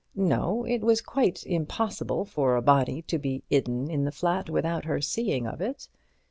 No, it was quite impossible for a body to be 'idden in the flat without her seeing of it.